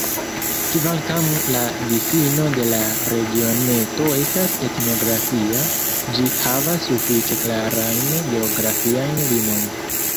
Kvankam la difino de la regioneto estas etnografia, ĝi havas sufiĉe klarajn geografiajn limojn.